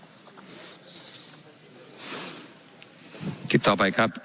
ว่าการกระทรวงบาทไทยนะครับ